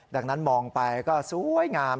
ดังนั้นมองไปก็สวยงาม